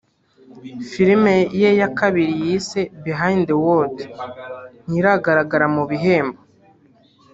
Filime ye ya kabiri yise “Behind The Word” ntiragaragara mu bihembo